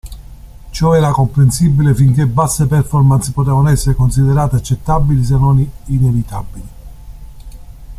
Ciò era comprensibile finché basse performance potevano essere considerate accettabili, se non inevitabili.